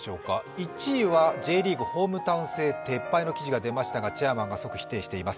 １位はＪリーグホームタウン制撤廃のニュースが出ましたが、チェアマンが即否定しています。